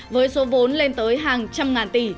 với số vốn lên tới hàng trăm ngàn tỷ